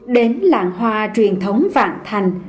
đến làng hoa truyền thống vạn thành